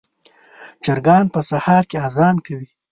چرګان په سهار کې اذان کوي.